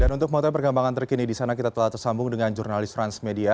dan untuk motel pergambangan terkini di sana kita telah tersambung dengan jurnalis transmedia